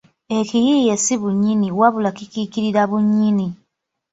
Ekiyiiye si bunnyini wabula kikiikirira bunnyini